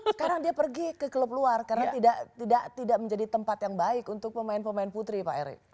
sekarang dia pergi ke klub luar karena tidak menjadi tempat yang baik untuk pemain pemain putri pak erick